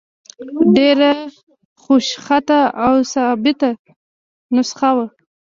ډېره خوشخطه او ثابته نسخه وه.